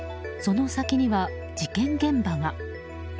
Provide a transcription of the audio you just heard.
その先には事件現場が。